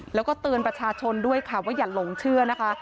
แล้วก็เตือนประชาชนด้วยค่ะว่าอย่าหลงเชื่อนะคะ